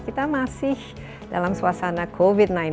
kita masih dalam suasana covid sembilan belas